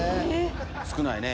少ないね。